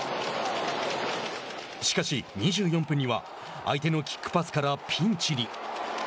しかし、２４分には相手のキックパスからピンチに。